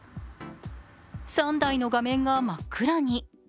３台の画面が真っ暗に。